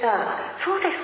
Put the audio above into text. そうですか。